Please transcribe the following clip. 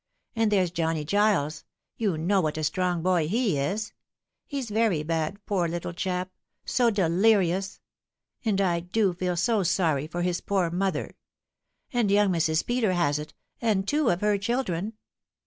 And there's Johnny Giles ; you know what a strong boy he is. He's very bad, poor little chap so delirious ; and I do feel so sorry for his poor mother. And young Mrs. Peter has it, and two of her chil dren."